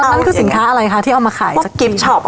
ตอนนั้นคือสินค้าอะไรคะที่เอามาขายจากจีน